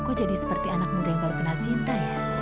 kok jadi seperti anak muda yang baru kenal cinta ya